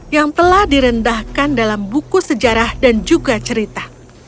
yang telah direndahkan dalam buku sejarah dan juga cerita